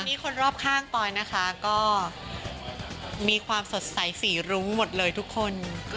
วันนี้คนรอบข้างปอยนะคะก็มีความสดใสสีรุ้งหมดเลยทุกคน